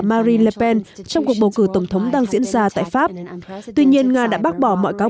marine le pen trong cuộc bầu cử tổng thống đang diễn ra tại pháp tuy nhiên nga đã bác bỏ mọi cáo